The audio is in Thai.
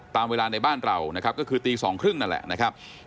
ตามเวลาในบ้านเราก็คือตี๒๓๐นั่นแหละ